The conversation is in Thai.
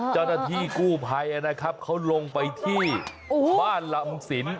เจ้าหน้าที่กู้ภัยนะครับเขาลงไปที่บ้านลำสิน